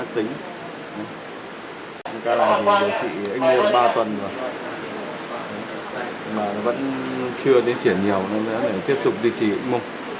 tính ca là điều trị x mo ba tuần rồi mà nó vẫn chưa tiến triển nhiều nên nó phải tiếp tục tiến triển x mo